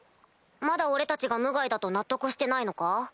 まだ俺たちが無害だと納得してないのか？